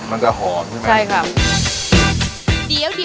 มันจะหอมใช่ไหม